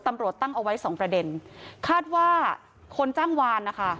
ตำรวจตั้งเอาไว้สองประเด็นคาดว่าคนจ้างวานนะคะ